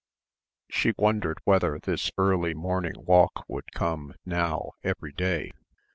She wondered whether this early morning walk would come, now, every day.